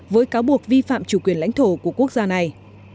với cáo buộc vi phạm chủ quyền lãnh thổ của quốc gia này